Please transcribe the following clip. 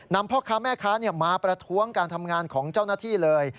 พ่อค้าแม่ค้ามาประท้วงการทำงานของเจ้าหน้าที่เลย